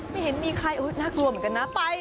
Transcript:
ไม่เห็นมีใครน่ากลัวเหมือนกันนะไป